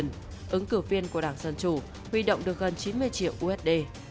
tổng thống joe biden ứng cử viên của đảng dân chủ huy động được gần chín mươi triệu usd